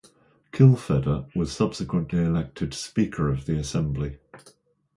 Kilfedder was subsequently elected Speaker of the Assembly.